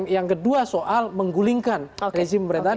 yang kedua soal menggulingkan rezim pemerintahan